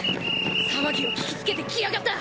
騒ぎを聞き付けて来やがった！